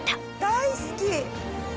大好き！